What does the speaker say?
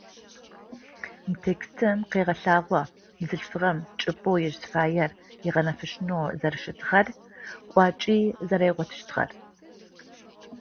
Мы текстым къегъэлъагъо бзылъфыгъэм чӏыпӏэу ежь зыфаер ыгъэнэфэшъунэу зэрэщытыгъэр, кӏуачӏи зэригъотыщтыгъэр.